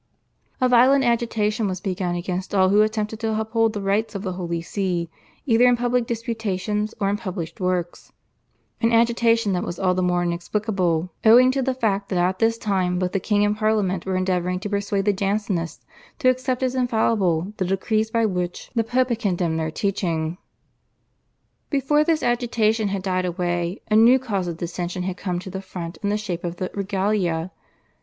A violent agitation was begun against all who attempted to uphold the rights of the Holy See either in public disputations or in published works, an agitation that was all the more inexplicable, owing to the fact that at this time both the king and Parliament were endeavouring to persuade the Jansenists to accept as infallible the decrees by which the Pope had condemned their teaching. Before this agitation had died away a new cause of dissension had come to the front in the shape of the /Regalia